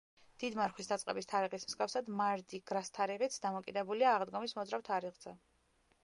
დიდმარხვის დაწყების თარიღის მსგავსად, მარდი-გრას თარიღიც დამოკიდებულია აღდგომის მოძრავ თარიღზე.